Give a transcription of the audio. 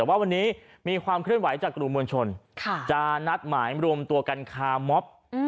แต่ว่าวันนี้มีความเคลื่อนไหวจากกลุ่มมวลชนจะนัดหมายรวมตัวกันคามอบ